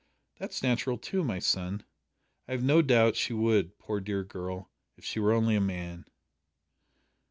'" "That's natural too, my son. I have no doubt she would, poor dear girl, if she were only a man."